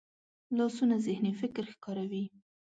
لاسونه ذهني فکر ښکاروي